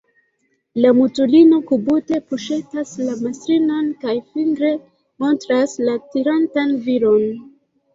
La mutulino kubute puŝetas la mastrinon kaj fingre montras la tirantan viron.